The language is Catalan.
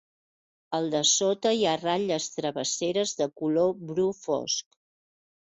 Al dessota hi ha ratlles travesseres de color bru fosc.